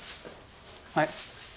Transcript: はい。